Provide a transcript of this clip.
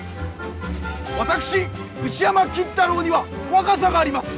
私牛山金太郎には若さがあります。